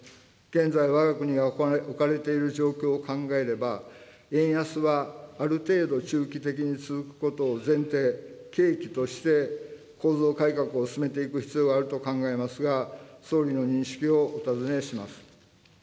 現在、わが国が置かれている状況を考えれば、円安はある程度、中期的に続くことを前提、契機として、構造改革を進めていく必要があると考えますが、総理の認識をお尋ねします。